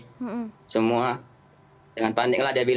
jangan paniklah dia bilang jangan paniklah dia bilang